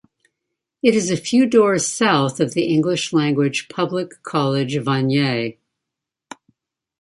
It is a few doors south of the English-language public college Vanier.